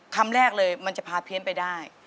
คำแรกเลยมันจะพาเพี้ยนไปได้